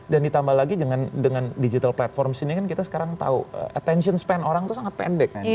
dan ditambah lagi dengan digital platform sini kan kita sekarang tahu attention span orang tuh sangat pendek